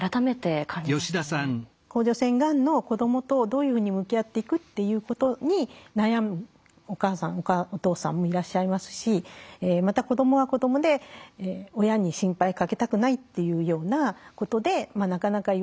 甲状腺がんの子どもとどういうふうに向き合っていくっていうことに悩むお母さんお父さんもいらっしゃいますしまた子どもは子どもで親に心配かけたくないっていうようなことでなかなか言わない。